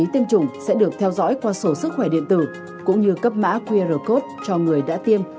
tiêm chủng sẽ được theo dõi qua sổ sức khỏe điện tử cũng như cấp mã qr code cho người đã tiêm